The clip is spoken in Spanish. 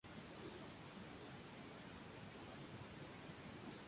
Finalmente, John Douglas asume el rol de baterista por segunda vez.